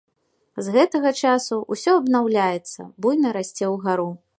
З гэтага часу ўсё абнаўляецца, буйна расце ўгару.